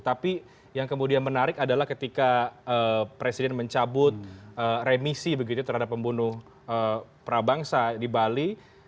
tapi yang kemudian menarik adalah ketika presiden mencabut remisi begitu terhadap pembunuh prabangsa di bali